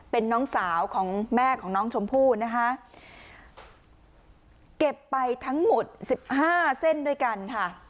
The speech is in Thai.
เป็นน้องสาวของแม่ของน้องชมพู่นะคะเก็บไปทั้งหมดสิบห้าเส้นด้วยกันค่ะ